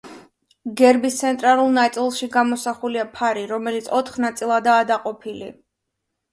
გერბის ცენტრალურ ნაწილში გამოსახულია ფარი, რომელიც ოთხ ნაწილადაა დაყოფილი.